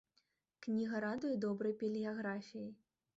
Кніга радуе добрай паліграфіяй.